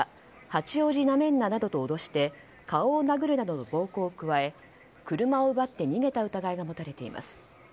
八王子なめんななどと脅して顔を殴るなどの暴行を加え車を奪って逃げた疑いが持たれています。